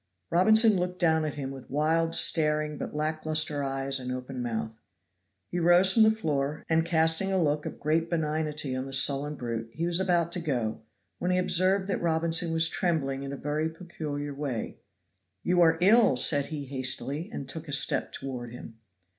Robinson looked down at him with wild, staring but lack luster eyes and open mouth. He rose from the floor, and casting a look of great benignity on the sullen brute, he was about to go, when he observed that Robinson was trembling in a very peculiar way. "You are ill," said he hastily, and took a step toward him.